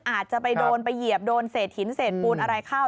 อาจจะไปโดนไปเหยียบโดนเศษหินเศษปูนอะไรเข้า